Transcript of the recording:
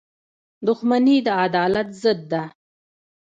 • دښمني د عدالت ضد ده.